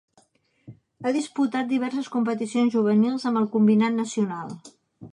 Ha disputat diverses competicions juvenils amb el combinat nacional.